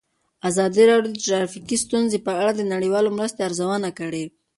ازادي راډیو د ټرافیکي ستونزې په اړه د نړیوالو مرستو ارزونه کړې.